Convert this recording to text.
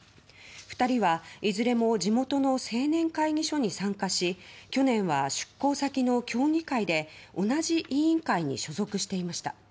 ２人は、いずれも地元の青年会議所に参加し去年は出向先の協議会で同じ委員会に所属していました。